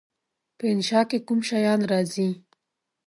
په انشأ کې کوم شیان راځي؟